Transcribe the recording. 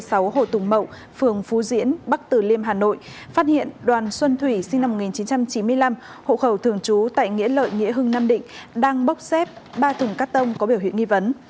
tổ công tác thuộc đội cảnh sát kinh tế công an quận bắc tử liêm hà nội phát hiện đoàn xuân thủy sinh năm một nghìn chín trăm chín mươi năm hộ khẩu thường trú tại nghĩa lợi nghĩa hưng nam định đang bốc xếp ba thường cắt tông có biểu hiện nghi vấn